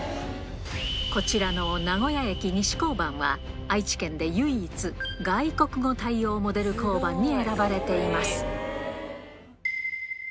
こちらの名古屋駅西交番は、愛知県で唯一、外国語対応モデル交番に選ばれています。